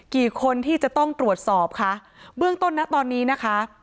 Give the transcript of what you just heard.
กี่คนที่จะต้องตรวจสอบคะเบื้องต้นนะตอนนี้นะคะ